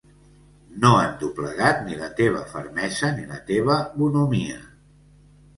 No han doblegat ni la teva fermesa ni la teva bonhomia.